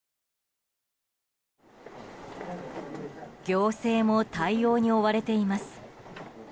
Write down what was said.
行政も対応に追われています。